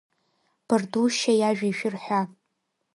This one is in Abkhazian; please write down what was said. Бардушьа иажәа ишәырҳәа.